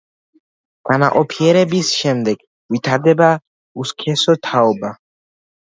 განაყოფიერების შემდეგ ვითარდება უსქესო თაობა.